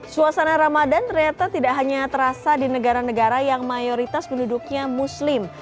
suasana ramadan ternyata tidak hanya terasa di negara negara yang mayoritas penduduknya muslim